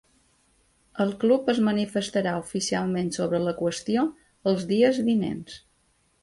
El club es manifestarà oficialment sobre la qüestió els dies vinents.